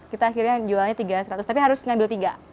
kita akhirnya jualnya tiga ratus tapi harus ngambil tiga